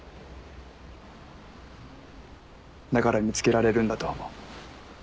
だから見つけられるんだと思う。